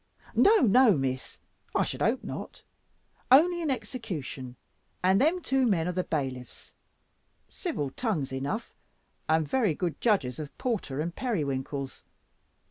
"No, no, Miss, I should hope not; only an execution, and them two men are the bailiffs; civil tongues enough, and very good judges of porter and periwinkles.